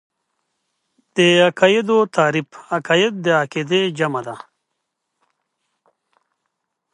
د عقايدو تعريف عقايد د عقيدې جمع ده .